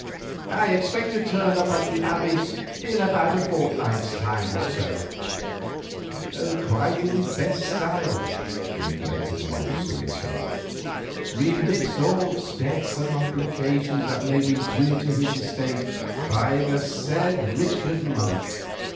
I expect to turn up at the Abbey in a fortnight's time or so." "Quite in his best style," reflected Morris to himself. "'Remits all debts and obligations that may be due to his estate by the said Richard Monk.